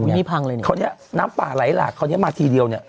เขานี้น้ำป่าหลายหลากมาทีเดียว